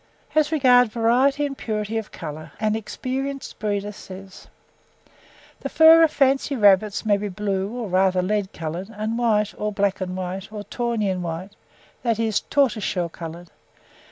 As regards variety and purity of colour an experienced breeder says: "The fur of fancy rabbits may be blue, or rather lead colour, and white, or black and white, or tawny and white, that is, tortoiseshell coloured.